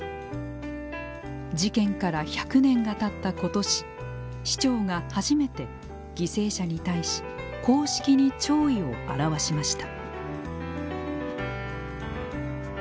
事件から１００年がたった今年市長が初めて犠牲者に対し公式に弔意を表しました。